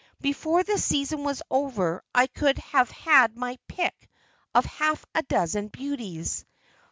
Before the season was over I could have had my pick of half a dozen beauties.